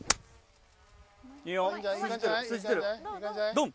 ドン！